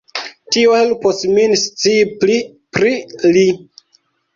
Tio helpos min scii pli pri li.